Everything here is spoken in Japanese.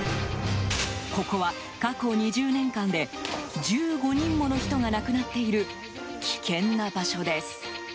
ここは、過去２０年間で１５人もの人が亡くなっている危険な場所です。